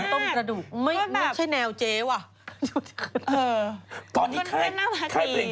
คุณดูสิเกาหลีเหรอโอ๊ย